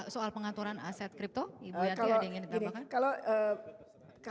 soal pengaturan aset kripto ibu yanti ada yang ingin ditambahkan